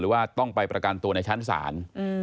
ว่าต้องไปประกันตัวในชั้นศาล